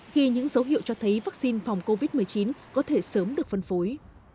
khi những dấu hiệu cho thấy vắc xin phòng covid một mươi chín có thể sớm được phân phối